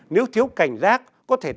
nếu thiếu cảnh giác có thể tăng